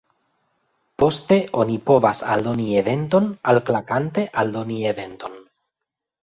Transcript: Poste oni povas aldoni eventon, alklakante 'Aldoni eventon'.